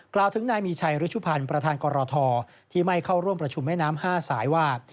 กล่าวถึงนายมีชัยรุชุพันธ์ประธานกรทที่ไม่เข้าร่วมประชุมแม่น้ำ๕สายว่า